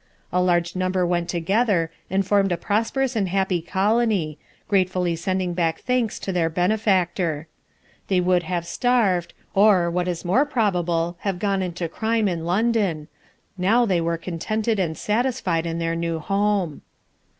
A large number went together, and formed a prosperous and happy colony, gratefully sending back thanks to their benefactor. They would have starved, or, what is more probable, gone into crime in London; now they were contented and satisfied in their new home.